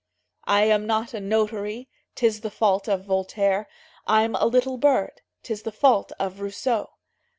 "I am not a notary, 'Tis the fault of Voltaire; I'm a little bird, 'Tis the fault of Rousseau."